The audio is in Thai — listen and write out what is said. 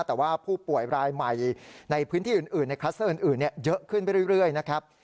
แต่ว่าผู้ป่วยรายใหม่ในพื้นที่อื่นในคลัสเตอร์อื่นเยอะขึ้นไปเรื่อยนะครับ